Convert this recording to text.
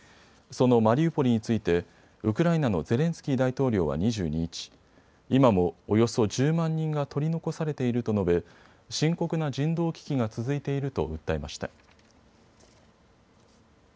そのマリウポリについてウクライナのゼレンスキー大統領は２２日、今もおよそ１０万人が取り残されていると述べ深刻な人道危機が続いていると訴えました。